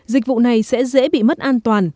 dịch vụ này sẽ dễ bị mất an toàn